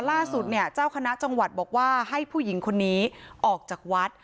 ล่าสุดเนี่ยเจ้าคณะจังหวัดบอกว่าให้ผู้หญิงคนนี้ออกจากวัด